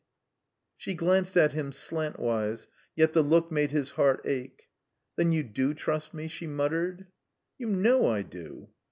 She glanced at him; slantwise, yet the look made his heart ache. "Then you do trust me?" she muttered. "You know I do."